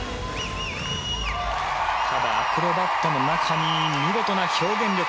ただ、アクロバットの中に見事な表現力。